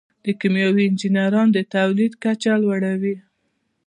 کیمیاوي انجینران د تولید کچه لوړوي.